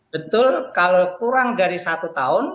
betul kalau kurang dari satu tahun